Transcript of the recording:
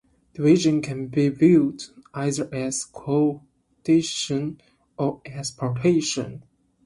Division can be viewed either as quotition or as partition.